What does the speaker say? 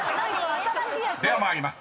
［では参ります。